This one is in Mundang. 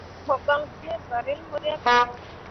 Mo ɓan d̃ǝǝ fanrel mo riahke.